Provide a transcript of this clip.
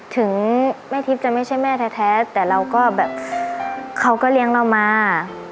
ถึงแม่ทิพย์จะไม่ใช่แม่แท้แต่เราก็แบบเขาก็เลี้ยงเรามา